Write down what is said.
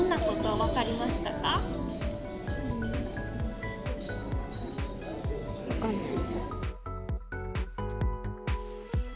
分かんない。